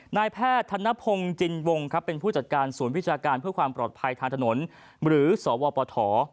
นายแพทย์ธนพงศ์จินวงครับเป็นผู้จัดการศูนย์วิชาการเพื่อความปลอดภัยทางถนนหรือสวปฐ